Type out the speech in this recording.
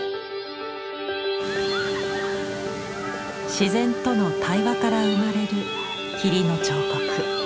自然との対話から生まれる「霧の彫刻」。